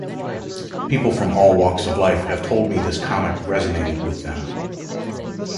People from all walks of life have told me this comic resonated with them.